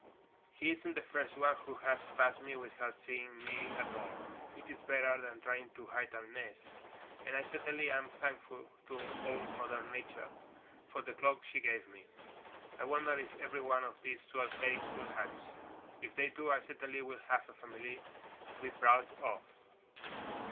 He isn't the first one who has passed me without seeing me at all. It is better than trying to hide a nest, and I certainly am thankful to Old Mother Nature for the cloak she gave me. I wonder if every one of these twelve eggs will hatch. If they do, I certainly will have a family to be proud of."